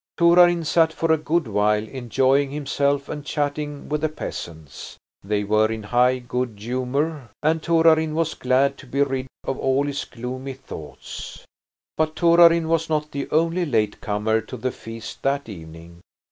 Torarin sat for a good while enjoying himself and chatting with the peasants. They were in high good humour, and Torarin was glad to be rid of all his gloomy thoughts. But Torarin was not the only latecomer to the feast that evening.